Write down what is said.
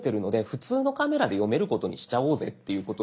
普通のカメラで読めることにしちゃおうぜっていうことで。